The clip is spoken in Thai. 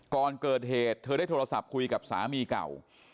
ก่อนเกิดเหตุเธอได้โทรศัพท์คุยกับสามีเก่า